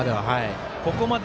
ここまで。